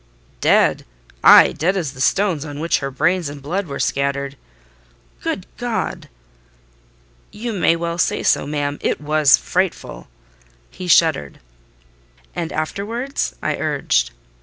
"Dead! Ay, dead as the stones on which her brains and blood were scattered." "Good God!" "You may well say so, ma'am: it was frightful!" He shuddered. "And afterwards?" I urged.